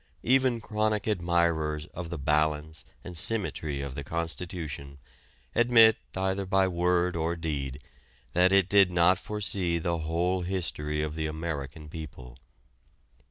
Even chronic admirers of the "balance" and "symmetry" of the Constitution admit either by word or deed that it did not foresee the whole history of the American people.